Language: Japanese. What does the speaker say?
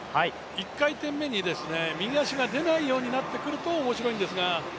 １回転目に右足が出ないようになってくると面白いんですが。